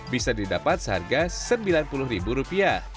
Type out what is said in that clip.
bisa didapat seharga rp sembilan puluh